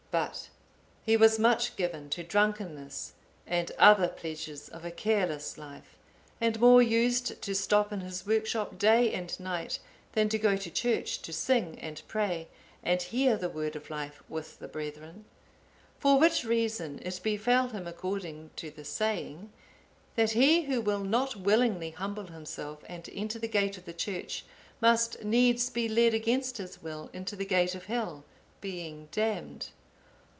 But he was much given to drunkenness, and other pleasures of a careless life, and more used to stop in his workshop day and night, than to go to church to sing and pray and hear the Word of life with the brethren. For which reason it befell him according to the saying, that he who will not willingly humble himself and enter the gate of the church must needs be led against his will into the gate of Hell, being damned.